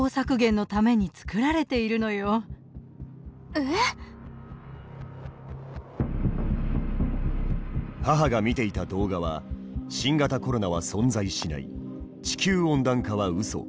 そして母が見ていた動画は「新型コロナは存在しない」「地球温暖化はウソ！」